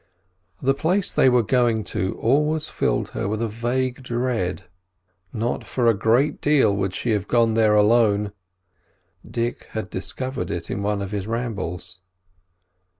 The place they were going to always filled her with a vague dread; not for a great deal would she have gone there alone. Dick had discovered it in one of his rambles.